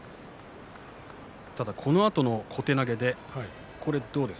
ただ、このあとの小手投げです。